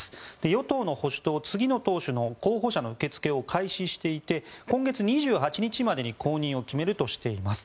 与党の保守党次の党首の候補者の受け付けを開始していて、今月２８日までに後任を決めるとしています。